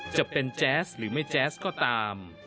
จะเป็นแจ๊สหรือไม่แจ๊สก็ตาม